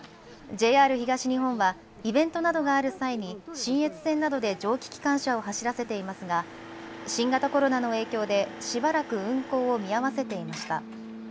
ＪＲ東日本はイベントなどがある際に信越線などで蒸気機関車を走らせていますが新型コロナの影響でしばらく運行を見合わせていました。